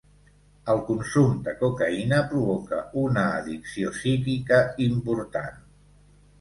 El consum de cocaïna provoca una addicció psíquica important.